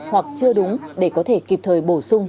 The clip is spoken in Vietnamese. hoặc chưa đúng để có thể kịp thời bổ sung